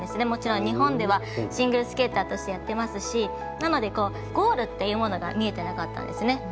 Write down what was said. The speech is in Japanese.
もちろん日本ではシングルスケーターとしてやっていますしなのでゴールっていうものが見えてなかったんですね。